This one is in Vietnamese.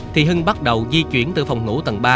thì hưng bắt đầu di chuyển từ phòng ngủ tầng ba